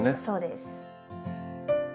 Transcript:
そうです。